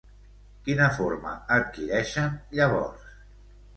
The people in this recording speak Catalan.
Quina forma adquireixen llavors?